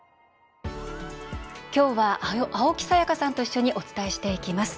今日は青木さやかさんと一緒にお伝えしていきます。